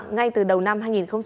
ngay từ đầu năm hai nghìn hai mươi ba